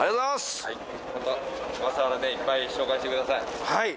また小笠原いっぱい紹介してください。